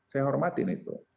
saya hormatin itu